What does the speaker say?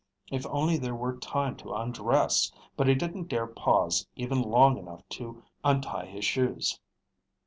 If only there were time to undress! But he didn't dare pause even long enough to untie his shoes.